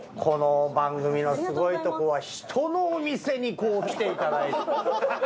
この番組のすごいとこは人のお店に来ていただいて。